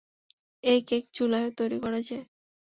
এই কেক চুলায়ও তৈরি করা যায়।